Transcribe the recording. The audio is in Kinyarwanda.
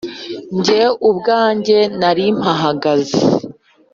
Njye ubwanjye nari mpahagaze